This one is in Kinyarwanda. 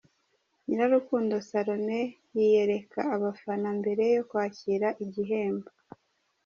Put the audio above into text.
Nyirarukundo Salome yiyereka abafana mbere yo kwakira igihembo.